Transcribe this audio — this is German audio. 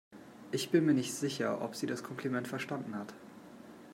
Ich bin mir nicht sicher, ob sie das Kompliment verstanden hat.